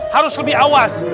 harus lebih awas